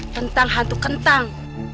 tentang hantu kentang